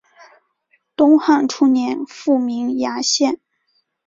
东汉初年复名衙县。